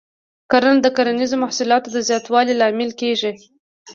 کرنه د کرنیزو محصولاتو د زیاتوالي لامل کېږي.